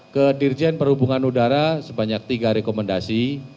ke dirjen perhubungan udara sebanyak tiga rekomendasi